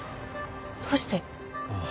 どうして？